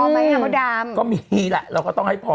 พอไหมหัวดามก็มีแหละเราก็ต้องให้พอ